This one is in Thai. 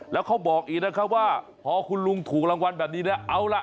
แล้วเขาบอกอีกนะครับว่าพอคุณลุงถูกรางวัลแบบนี้นะเอาล่ะ